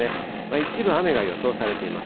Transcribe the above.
一部、雨が予想されています。